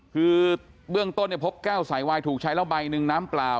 คือเบื้องต้นพบแก้วสายวายถูกใช้แล้วใบหนึ่งน้ำเปล่า